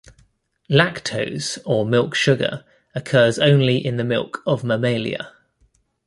Lactose, or milk sugar, occurs only in the milk of mammalia.